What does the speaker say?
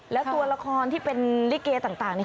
แล้วตัวละครที่เป็นลิเกต่าง